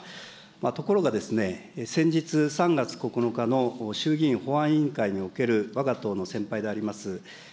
ところがですね、先日、３月９日の衆議院保安委員会におけるわが党の先輩であります